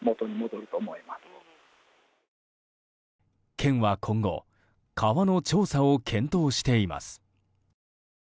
県は今後川の調査を検討しています。